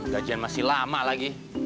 gajian masih lama lagi